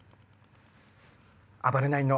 暴れないの！